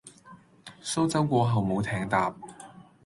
蘇州過後冇艇搭